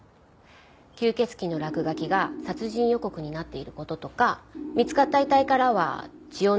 吸血鬼の落書きが殺人予告になっている事とか見つかった遺体からは血を抜かれていた事とか。